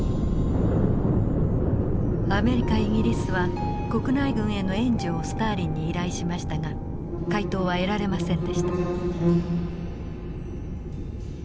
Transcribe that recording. アメリカイギリスは国内軍への援助をスターリンに依頼しましたが回答は得られませんでした。